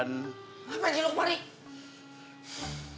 ngapain sih lu kemarin